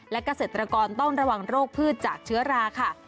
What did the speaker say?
และเกษตรกรต้องระวังโรคพืชจากเชื้อราค่ะ